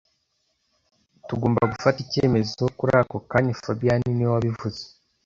Tugomba gufata icyemezo kuri ako kanya fabien niwe wabivuze